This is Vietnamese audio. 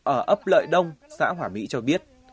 ở ấp lợi đông xã hỏa mỹ cho biết